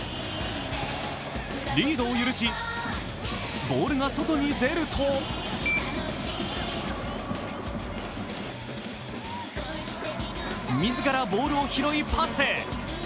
リードを許しボールが外に出ると自らボールを拾いパス。